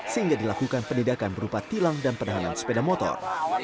sehingga dilakukan pendidikan berupa tilang dan penahanan sepeda motor